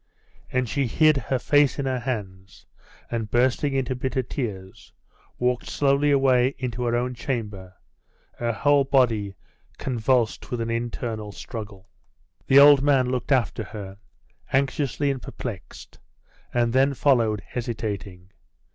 And she hid her face in her hands, and bursting into bitter tears, walked slowly away into her own chamber, her whole body convulsed with the internal struggle. The old man looked after her, anxiously and perplexed, and then followed, hesitating.